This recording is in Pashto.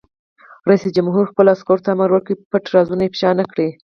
رئیس جمهور خپلو عسکرو ته امر وکړ؛ پټ رازونه افشا نه کړئ!